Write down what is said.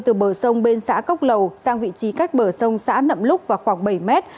từ bờ sông bên xã cốc lầu sang vị trí cách bờ sông xã nậm lúc vào khoảng bảy mét